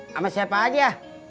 sama siapa aja